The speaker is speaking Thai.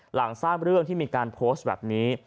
หลังทราบเรื่องที่มีการโพสต์แบบนี้